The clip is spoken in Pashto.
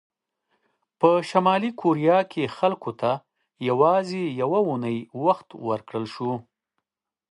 په شلي کوریا کې خلکو ته یوازې یوه اونۍ وخت ورکړل شو.